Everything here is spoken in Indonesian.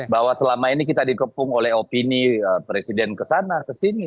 bahwa selama ini kita dikepung oleh opini presiden ke sana ke sini